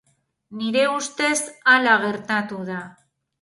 Nire ustez hala gertatu da.